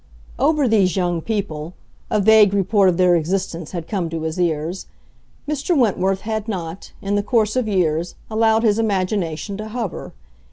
Over these young people—a vague report of their existence had come to his ears—Mr. Wentworth had not, in the course of years, allowed his imagination to hover.